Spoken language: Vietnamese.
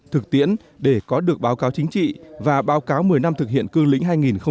thực tiễn để có được báo cáo chính trị và báo cáo một mươi năm thực hiện cương lĩnh hai nghìn một mươi một